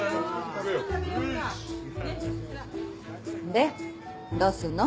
でどうすんの？